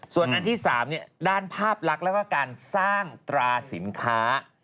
ส่วนอันที่๓ด้านภาพลักษณ์แล้วก็การสร้างตราสินค้า